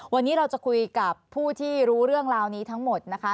วันนี้เราจะคุยกับผู้ที่รู้เรื่องราวนี้ทั้งหมดนะคะ